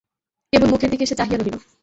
কেবল মুখের দিকে সে চাহিয়া রহিল।